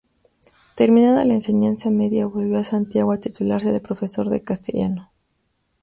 Terminada la enseñanza media volvió a Santiago a titularse de profesor de Castellano.